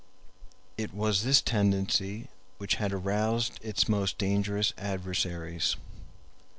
It was this tendency which had aroused its most dangerous adversaries.